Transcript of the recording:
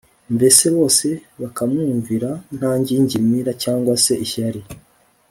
mbese bose bakamwumvira nta ngingimira cyangwa se ishyari